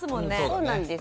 そうなんです。